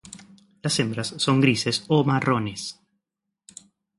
Las hembras son grises o marrones.